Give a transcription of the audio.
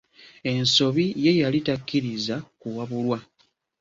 Ensobi ye yali takkiriza kuwabulwa.